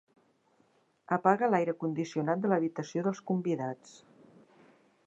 Apaga l'aire condicionat de l'habitació dels convidats.